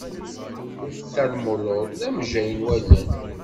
Uftalmolog d amejjay n wallen.